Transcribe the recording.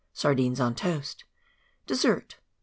Sardines on Toast. Desseet.